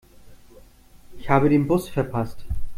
Ich habe den Bus verpasst.